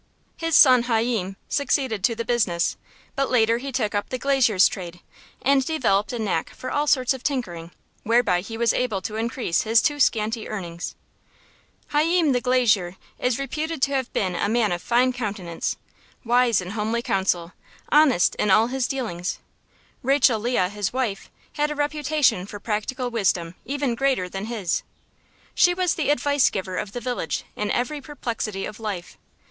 His son Hayyim succeeded to the business, but later he took up the glazier's trade, and developed a knack for all sorts of tinkering, whereby he was able to increase his too scanty earnings. Hayyim the Glazier is reputed to have been a man of fine countenance, wise in homely counsel, honest in all his dealings. Rachel Leah, his wife, had a reputation for practical wisdom even greater than his. She was the advice giver of the village in every perplexity of life.